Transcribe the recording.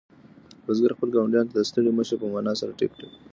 بزګر خپلو ګاونډیانو ته د ستړي مه شي په مانا سر ټیټ کړ.